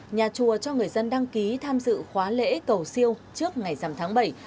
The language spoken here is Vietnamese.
nhà chùa cho người dân đăng ký tham dự khóa lễ cầu siêu trước ngày dằm tháng bảy